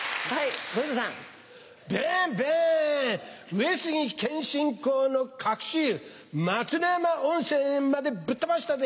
上杉謙信公の隠し湯松之山温泉までぶっ飛ばしたで！